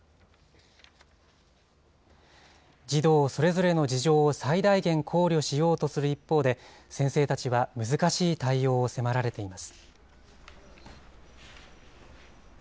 児童それぞれの事情を最大限考慮しようとする一方で、先生たちは難しい対応を迫られています。